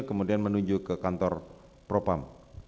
kemudian menuju ke kantor propam